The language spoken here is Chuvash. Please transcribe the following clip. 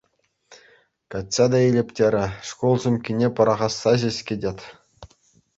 Качча та илӗп терӗ, шкул сумкине пӑрахасса ҫеҫ кӗтет.